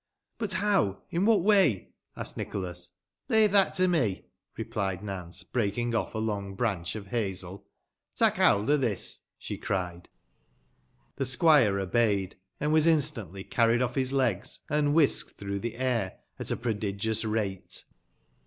*f But how — ^in what way ?^' asked Nicholas. Leave that to me," replied Nance, breaking off a long branch of hazel. " Tak howld o' this," she cried. The squire obeyed, and was instantly carried off his legs, and whisked through the air at a prodigious rate.